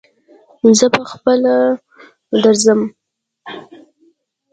زه په خپله درځم